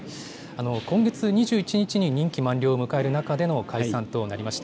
今月２１日に任期満了を迎える中での解散となりました。